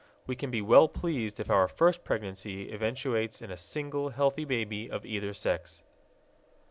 We can be well pleased if our first pregnancy eventuates in a single healthy baby of either sex.